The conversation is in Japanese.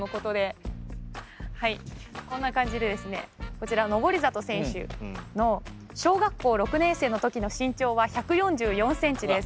こちら「登里選手の小学校６年生のときの身長は１４４ｃｍです。